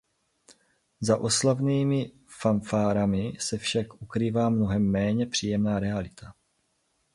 Za oslavnými fanfárami se však ukrývá mnohem méně příjemná realita.